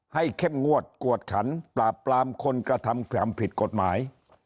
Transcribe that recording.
เข้มงวดกวดขันปราบปรามคนกระทำความผิดกฎหมาย